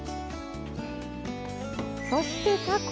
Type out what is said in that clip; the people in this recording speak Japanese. そしてたこ。